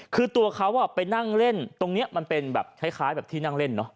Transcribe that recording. คือตัวเขาไปนั่งเล่นตรงนี้มันมันเป็นให้คล้ายที่นั่งเล่น